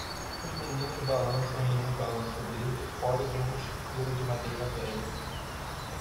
Os meninos balançam em um balanço verde fora de uma estrutura de madeira velha.